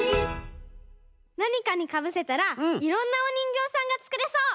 なにかにかぶせたらいろんなおにんぎょうさんがつくれそう。